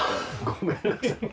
ごめんなさい！